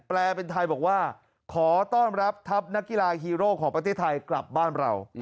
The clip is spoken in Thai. แปลเป็นไทยบอกว่าขอต้อนรับทัพนักกีฬาฮีโร่ของประเทศไทยกลับบ้านเรา